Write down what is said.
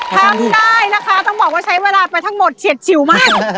ทำได้นะคะต้องบอกว่าใช้เวลาไปทั้งหมดเฉียดชิวมาก